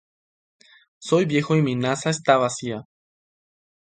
Soy viejo y mi nasa está vacía.